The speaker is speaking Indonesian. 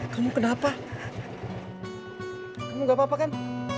kamu kenapa kamu gak apa apa kan